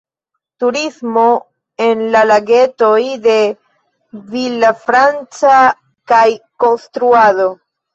Turismo en la Lagetoj de Villafranca kaj konstruado.